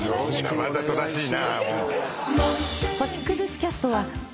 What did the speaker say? わざとらしいな。